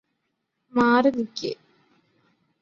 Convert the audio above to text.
മാറി നിക്ക്